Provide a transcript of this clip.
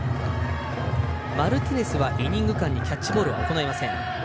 マルティネスはイニング間にキャッチボールは行いません。